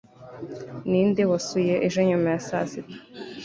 ninde wasuye ejo nyuma ya saa sita